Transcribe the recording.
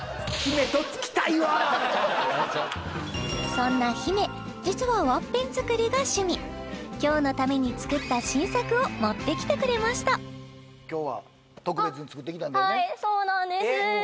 そんなヒメ実はワッペン作りが趣味今日のために作った新作を持ってきてくれましたはいそうなんです